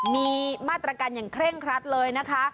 มีมาตรการอย่างเคร่งครัดเลยนะคะ